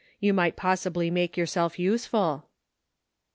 You might possibly make yourself useful."